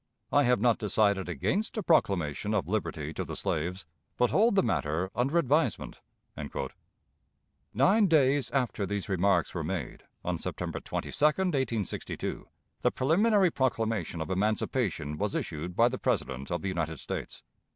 I have not decided against a proclamation of liberty to the slaves, but hold the matter under advisement." Nine days after these remarks were made on September 22, 1862 the preliminary proclamation of emancipation was issued by the President of the United States.